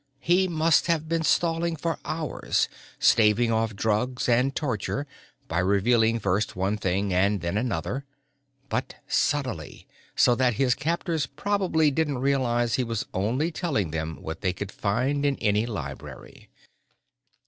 He must have been stalling for hours, staving off drugs and torture by revealing first one thing and then another but subtly, so that his captors probably didn't realize he was only telling them what they could find in any library.